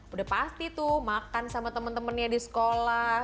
udah pasti tuh makan sama temen temennya di sekolah